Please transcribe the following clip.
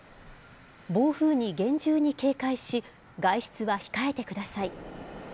暴風に厳重に警戒し、外出は控えてください。